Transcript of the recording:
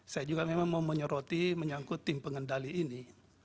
saya juga memang mau menyoroti menyangkut tim pengendali ini